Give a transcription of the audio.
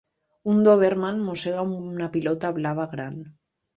Un dòberman mossega una pilota blava gran.